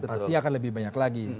pasti akan lebih banyak lagi